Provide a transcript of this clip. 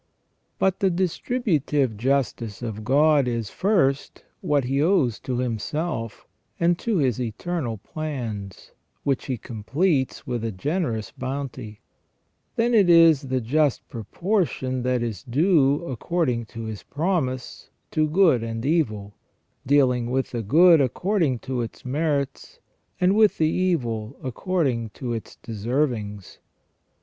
But the distributive justice of God is, first, what He owes to Himself, and to His eternal plans, which He completes with a generous bounty ; then it is the just proportion that is due, according to His promise, to good and evil, dealing with the good according to its merits, and with the evil according to its deservings.